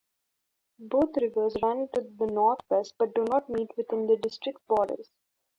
Both rivers run to the northwest, but do not meet within the district's borders.